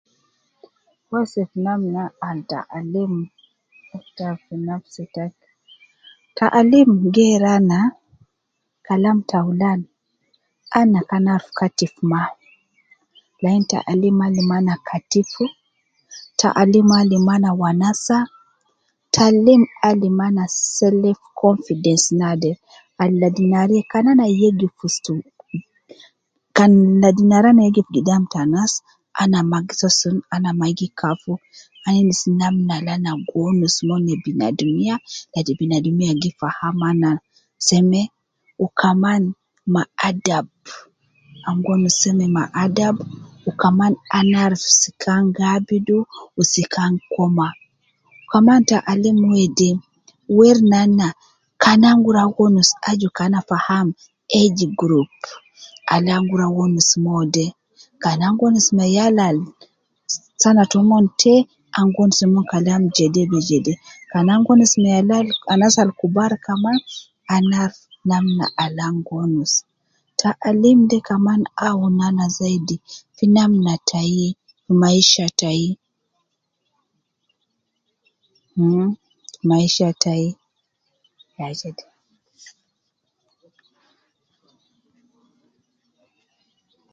Wase fi namna al taalim ta fi nafsi tayi, ta alim geeru ana, Kalam taulan, ana kan aruf Katif mma, lain taalim alim ana katifu, taalim alim ana wanasa, taalim alim ana self confidence naade al ladi nare kan ana yegif fi ustu, kan nadi nare ana yegif gidam te anas, ana ma gi soo sun, ana ma gi kafu, ana endis namna al ana gi wonus mo ne binadumiya, ladi binadumiya gi faham ana seme, wu kaman ma adab ,an gi wonus seme ma adab wu kaman ana aruf sika an gi abidu wu sika an gi koma, kaman taalim wede weri nana, kan an gi ruwa wonus, aju ke ana faham, age group al an gi ruwa wonus mo de, kana an gi wonus me yal ab sana tomon te, an gi wonus momon Kalam jede be jede, kan an gi wonus me yala ab, anas ab kubar kaman, ana aruf namna Alan gi wonus ,ta alim de kaman awun ana zaidi fi namna tai, maisha tai, mh maisha tayi , ya jede.